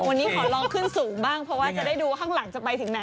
วันนี้ขอลองขึ้นสูงบ้างเพราะว่าจะได้ดูว่าข้างหลังจะไปถึงไหน